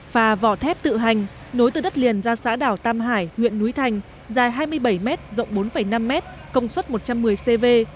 và vỏ thép tự hành nối từ đất liền ra xã đảo tam hải huyện núi thành dài hai mươi bảy m rộng bốn năm m công suất một trăm một mươi cv